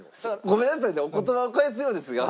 ごめんなさいね。